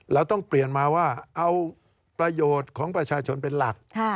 เราต้องเปลี่ยนมาว่าเอาประโยชน์ของประชาชนเป็นหลัก